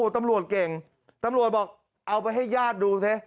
ตำรวจเก่งตำรวจบอกเอาไปให้ญาติดูซิ